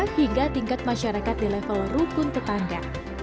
hingga tingkat masyarakat di level rukun tetangga